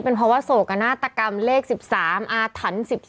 เป็นเพราะว่าโศกนาฏกรรมเลข๑๓อาถรรพ์๑๒